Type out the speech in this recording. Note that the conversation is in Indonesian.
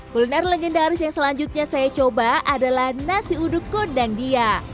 kuliner legendaris yang selanjutnya saya coba adalah nasi uduk kondang dia